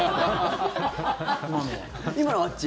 今のはあっち。